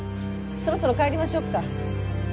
そろそろ帰りましょうか。